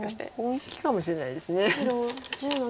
本気かもしれないです。